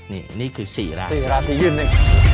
นี่คือ๔ราศี